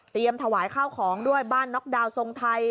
ถวายข้าวของด้วยบ้านน็อกดาวน์ทรงไทย